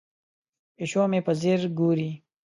پیشو مې په ځیر ګوري.